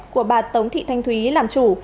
của bà tống thị thanh thúy làm chủ